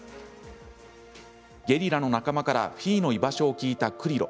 ゲリラ仲間からフィーの居場所を聞いたクリロ。